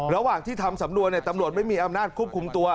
ระหว่างที่ทำสำนวนตำรวจไม่มีอำนาจควบคุมตัว